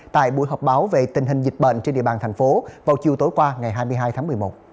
tại buổi họp báo về tình hình dịch bệnh trên địa bàn thành phố vào chiều tối qua ngày hai mươi hai tháng một mươi một